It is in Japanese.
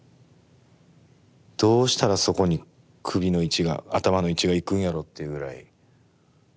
どうしたらそこに首の位置が頭の位置がいくんやろというぐらい。